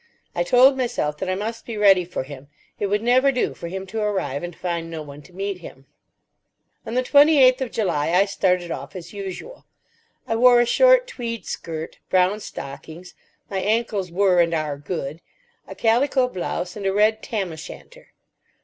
I told myself that I must be ready for him. It would never do for him to arrive, and find no one to meet him. On the 28th of July I started off as usual. I wore a short tweed skirt, brown stockings—my ankles were, and are, good—a calico blouse, and a red tam o' shanter.